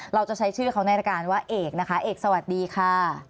เราจะใช้ชื่อเขาในรายการว่าเอกนะคะเอกสวัสดีค่ะ